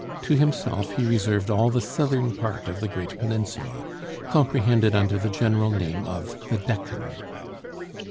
To himself he reserved all the southern part of the great peninsula, comprehended under the general name of the Deccan.